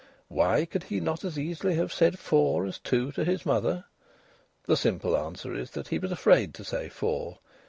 Why could he not as easily have said four as two to his mother? The simple answer is that he was afraid to say four.